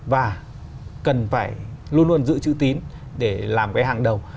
và cần phải luôn luôn giữ chữ tín để làm cái hàng đầu